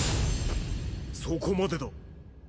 そこまでだ。